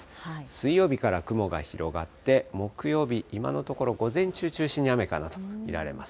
水曜日から雲が広がって、木曜日、今のところ、午前中中心に雨かなと見られます。